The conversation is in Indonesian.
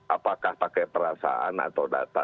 apakah pakai perasaan atau data